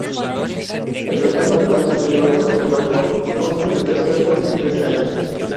El retablo actual se levanta sobre banco y consta tres cuerpos y tres calles.